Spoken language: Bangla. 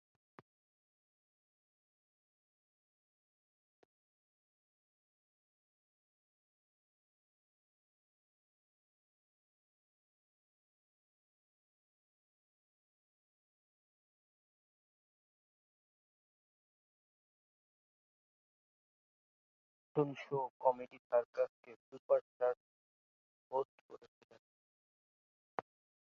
তিনি television show "comedy circus ke superstars" host করেছিলেন।